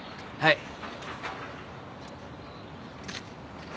はい。